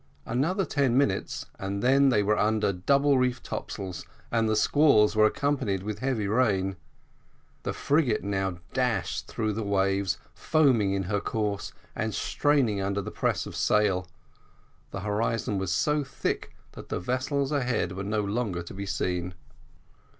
Another ten minutes, and then they were under double reefed topsails, and the squalls were accompanied with heavy rain. The frigate now dashed through the waves, foaming in her course and straining under the press of sail. The horizon was so thick that the vessels ahead were no longer to be seen.